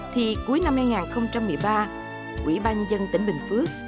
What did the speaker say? thì cuối năm hai nghìn một mươi ba quỹ ban nhân dân tỉnh bình phước